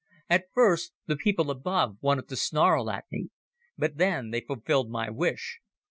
At first, the people above wanted to snarl at me. But then they fulfilled my wish.